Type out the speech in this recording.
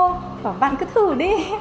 bảo bạn cứ thử đi